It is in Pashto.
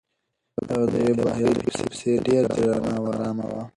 هغه د یوې باحیا پېغلې په څېر ډېره درنه او ارامه وه.